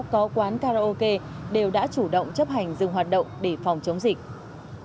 có quán karaoke đều đã chủ động chấp hành dừng hoạt động để phòng chống dịch